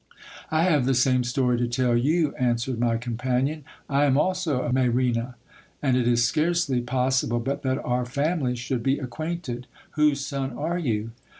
I have the same story to tell you, answered my companion. I am also of Mayrena ; and it is scarcely pos sible but that our families should be acquainted. Whose son are you